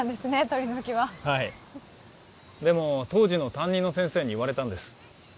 鳥好きははいでも当時の担任の先生に言われたんです